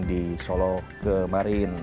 di solo kemarin